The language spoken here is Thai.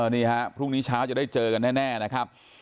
นี่ฮะพรุ่งนี้เช้าจะได้เจอกันแน่นะครับ